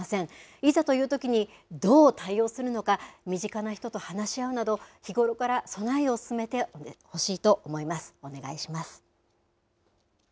いざというときにどう対応するのか身近な人と話し合うなど日頃から備えを進めておいてほしいと思います。